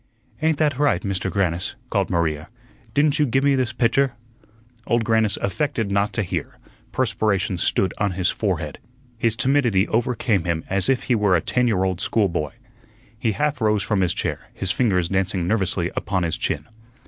"Ain't that right, Mister Grannis?" called Maria; "didn't you gi' me this pitcher?" Old Grannis affected not to hear; perspiration stood on his forehead; his timidity overcame him as if he were a ten year old schoolboy. He half rose from his chair, his fingers dancing nervously upon his chin.